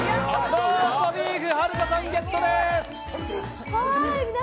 ローストビーフ、はるかさんゲットです！